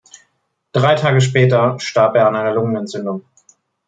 Drei Tage später starb er an einer Lungenentzündung.